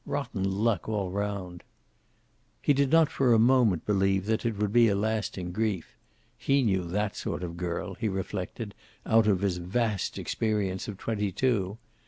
"Rotten luck, all round." He did not for a moment believe that it would be a lasting grief. He knew that sort of girl, he reflected, out of his vast experience of twenty two.